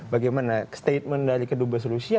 bagaimana statement dari kedubes rusia